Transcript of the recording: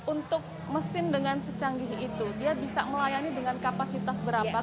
untuk mesin dengan secanggih itu dia bisa melayani dengan kapasitas berapa